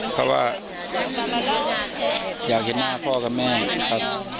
เพราะว่าอยากเห็นหน้าพ่อกับแม่นะครับ